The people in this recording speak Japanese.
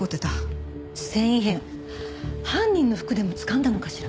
繊維片犯人の服でもつかんだのかしら？